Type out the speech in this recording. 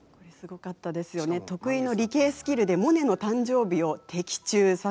得意の理系スキルでモネの誕生日を的中。